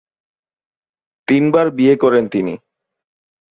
তিনবার বিয়ে করেন তিনি।